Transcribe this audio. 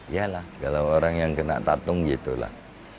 ya lah kalau orang yang kena tatung gitu lah